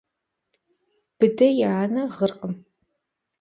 Быдэ и анэ гъыркъым.